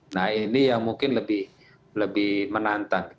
nah ini yang mungkin lebih menantang